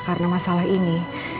karena masalah ini